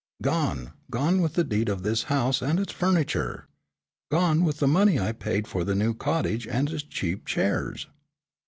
"Gone, gone with the deed of this house and its furniture. Gone with the money I paid for the new cottage and its cheap chairs."